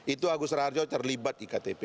itu agus raharjo terlibat di ktp